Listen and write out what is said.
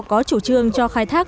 có chủ trương cho khai thác